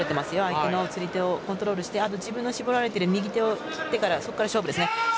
相手の釣り手をコントロールして自分の絞られている右を切ってから勝負ですね。